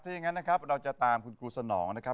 ถ้าอย่างนั้นนะครับเราจะตามคุณครูสนองนะครับ